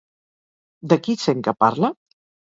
De qui sent que parla?